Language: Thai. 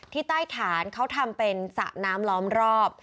ใต้ฐานเขาทำเป็นสระน้ำล้อมรอบ